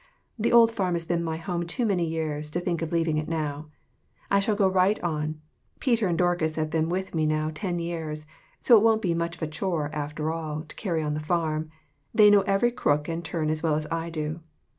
The old farm has been my home too many years to think of leaving it now. I shall go right on. Peter and Dorcas have been with me now ten years, so it won't be much of a chore, after all, to carry on the farm. They know every crook and turn as well as I do.